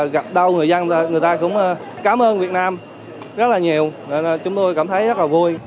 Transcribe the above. gặp đau người dân người ta cũng cảm ơn việt nam rất là nhiều chúng tôi cảm thấy rất là vui